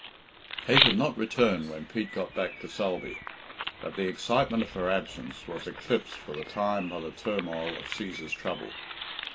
Kate had not returned when Pete got back to Sulby, but the excitement of her absence was eclipsed for the time by the turmoil of Cæsar's trouble.